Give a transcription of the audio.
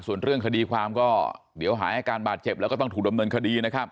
ส่วนเรื่องคดีความก็เดี๋ยวหายอาการบาดเจ็บแล้วก็ต้องถูกดำเนินคดีนะครับ